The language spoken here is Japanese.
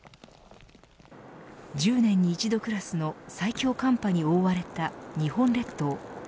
１０年に一度クラスの最強寒波に覆われた日本列島。